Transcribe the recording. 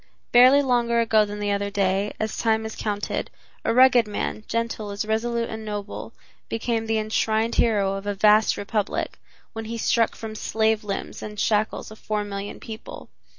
Barely longer ago than the other day, as time is counted, a rugged man, gentle as resolute and noble, became the enshrined hero of a vast republic, when he struck from slave limbs the shackles of four million people.